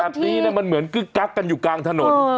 แบบนี้มันเหมือนกึ๊กกักกันอยู่กลางถนน